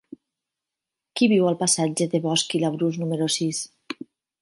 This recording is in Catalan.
Qui viu al passatge de Bosch i Labrús número sis?